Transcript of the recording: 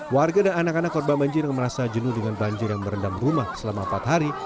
warga dan anak anak korban banjir yang merasa jenuh dengan banjir yang merendam rumah selama empat hari